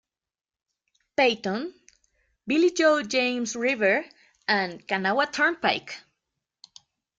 Peyton, Billy Joe James River and Kanawha Turnpike.